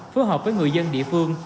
phù hợp với người dân địa phương